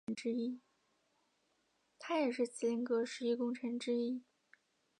他也是麒麟阁十一功臣之一。